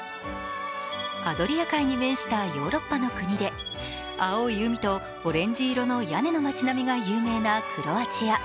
アドリア海に面したヨーロッパの国で、青い海とオレンジ色の屋根の町並みが有名なクロアチア。